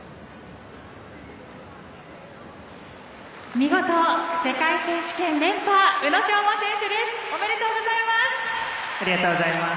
見事、世界選手権連覇宇野昌磨選手です。